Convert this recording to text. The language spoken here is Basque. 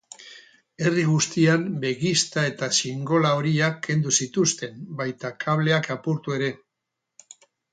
Herri guztian begizta eta xingola horiak kendu zituzten, baita kableak apurtu ere.